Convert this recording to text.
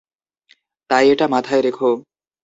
তাই এটা মাথায় রেখো।